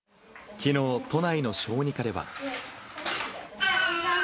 きのう、都内の小児科では。